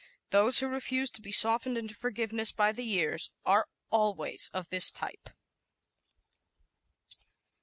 Those who refuse to be softened into forgiveness by the years are always of this type.